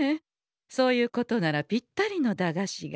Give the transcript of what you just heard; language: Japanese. そういうことならぴったりの駄菓子が。